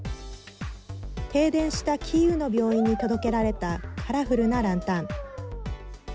停電したキーウの病院に届けられたカラフルなランタン。